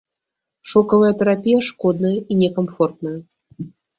Шокавая тэрапія шкодная і некамфортная.